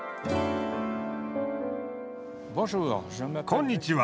こんにちは。